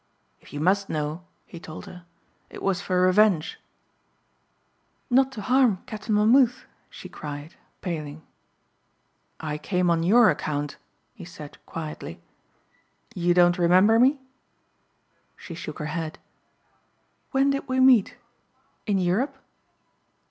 "If you must know," he told her, "it was for revenge." "Not to harm Captain Monmouth?" she cried paling. "I came on your account," he said quietly. "You don't remember me?" She shook her head. "When did we meet? In Europe?"